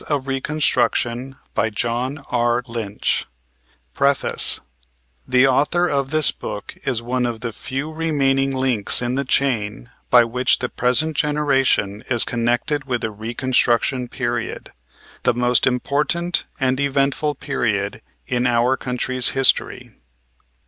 FUTURE OF THE REPUBLICAN PARTY PREFACE The author of this book is one of the few remaining links in the chain by which the present generation is connected with the reconstruction period, the most important and eventful period in our country's history.